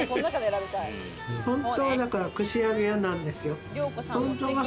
本当は串揚げ屋なんですよ。